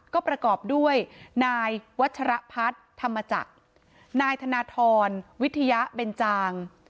ก็ประกอบด้วยนายวัชรพัฒน์ธรรมจักรนายธนทรวิทยาเบนจาง